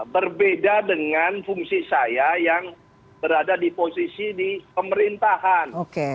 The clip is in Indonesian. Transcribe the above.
berbeda dengan fungsi saya yang berada di posisi di pemerintahan